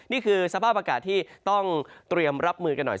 นี่คือสภาพอากาศที่ต้องเตรียมรับมือกันหน่อย